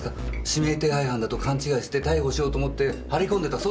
指名手配犯だと勘違いして逮捕しようと思って張り込んでた。